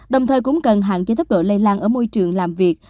đồng thời cũng cần hạn chế thấp độ lây lan ở môi trường làm việc